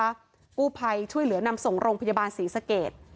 กู้ภัยช่วยเหลือนำส่งโรงพยาบาลศรีสเกต